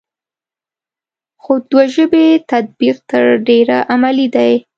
خو دوه ژبې تطبیق تر ډېره عملي دی ا